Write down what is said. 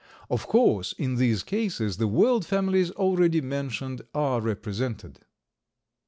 Of course in these cases the world families already mentioned are represented.